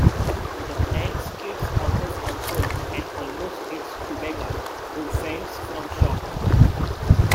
The tank skids out of control and almost hits Chewbacca, who faints from shock.